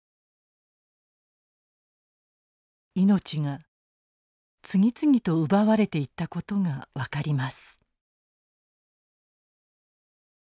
命が次々と奪われていった事が分かります。